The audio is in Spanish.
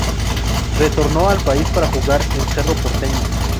Retornó al país para jugar en Cerro Porteño.